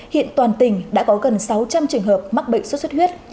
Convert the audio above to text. hiện toàn tỉnh đã có gần sáu trăm linh trường hợp mắc bệnh suốt suốt huyết